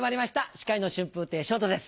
司会の春風亭昇太です。